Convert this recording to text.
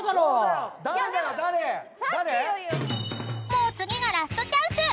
［もう次がラストチャンス！］